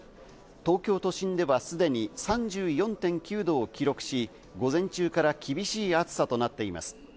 東京都心ではすでに３４．９度を記録し、午前中から厳しい暑さとなっています。